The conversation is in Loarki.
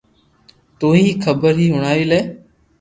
تو ھي خبر ھي ھڻاوي لي